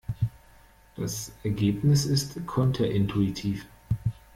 Das Ergebnis ist konterintuitiv.